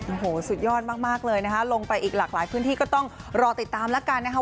โอ้โหสุดยอดมากเลยนะคะลงไปอีกหลากหลายพื้นที่ก็ต้องรอติดตามแล้วกันนะคะ